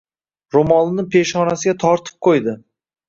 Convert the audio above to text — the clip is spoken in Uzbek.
Ro‘molini peshonasiga tortib qo‘ydi.